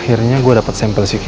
akhirnya gue dapet sampel si keisha